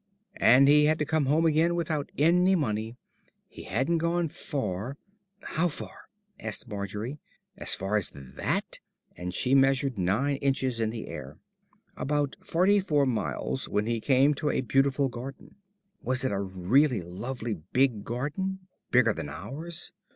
And he had to come home again without any money. He hadn't gone far " "How far?" asked Margery. "As far as that?" and she measured nine inches in the air. "About forty four miles when he came to a beautiful garden." "Was it a really lovely big garden? Bigger than ours?"